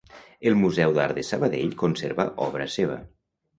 El Museu d'Art de Sabadell conserva obra seva.